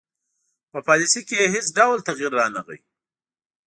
په پالیسي کې یې هیڅ ډول تغیر رانه غی.